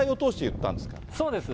そうです。